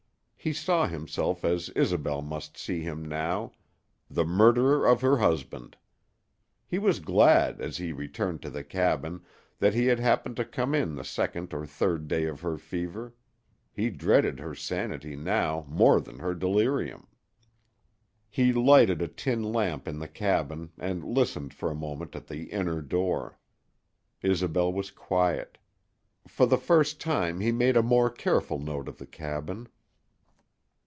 He saw himself as Isobel must see him now the murderer of her husband. He was glad, as he returned to the cabin, that he had happened to come in the second or third day of her fever. He dreaded her sanity now more than her delirium, He lighted a tin lamp in the cabin and listened for a moment at the inner door. Isobel was quiet. For the first time he made a more careful note of the cabin.